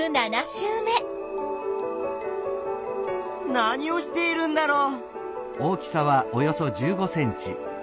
何をしているんだろう？